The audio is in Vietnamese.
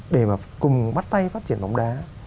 để mà cùng bắt tay phát triển bóng đá